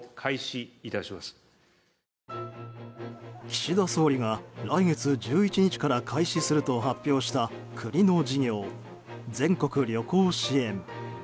岸田総理が来月１１日から開始すると発表した国の事業、全国旅行支援。